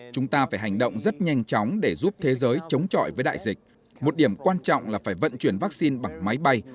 chúng ta phải hành động rất nhanh chóng để giúp thế giới chống chọi với đại dịch một điểm quan trọng là phải vận chuyển vaccine bằng máy bay